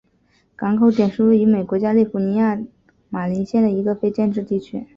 港口点是位于美国加利福尼亚州马林县的一个非建制地区。